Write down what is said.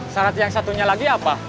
syarat yang satunya lagi apa